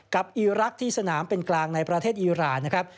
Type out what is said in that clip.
อีรักษ์ที่สนามเป็นกลางในประเทศอีรานนะครับ